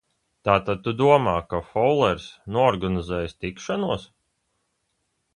Tātad tu domā, ka Foulers noorganizējis tikšanos?